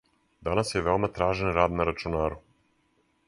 Данас је веома тражен рад на рачунару.